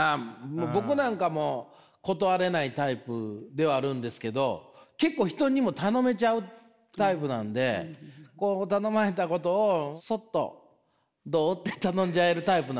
僕なんかも断れないタイプではあるんですけど結構人にも頼めちゃうタイプなんでこう頼まれたことをそっと「どう？」って頼んじゃえるタイプなんですよね。